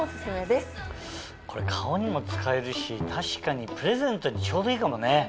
これ顔にも使えるし確かにプレゼントにちょうどいいかもね。